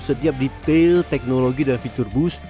setiap detail teknologi dan fitur bus